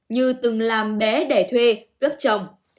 như từng làm bé để thuê cướp chồng